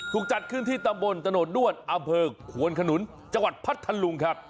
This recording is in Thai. จัดขึ้นที่ตำบลตะโนดนวดอำเภอควนขนุนจังหวัดพัทธลุงครับ